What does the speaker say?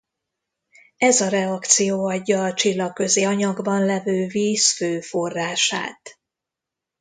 Ez a reakció adja a csillagközi anyagban levő víz fő forrását.